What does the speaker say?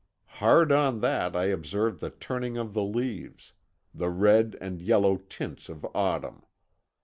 Hard on that I observed the turning of the leaves, the red and yellow tints of autumn.